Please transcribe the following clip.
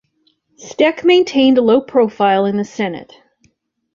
Steck maintained a low profile in the Senate.